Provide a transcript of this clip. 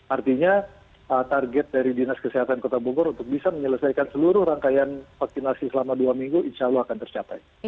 artinya target dari dinas kesehatan kota bogor untuk bisa menyelesaikan seluruh rangkaian vaksinasi selama dua minggu insya allah akan tercapai